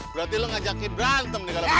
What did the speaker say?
berarti lu ngajakin berantem nih kalau begini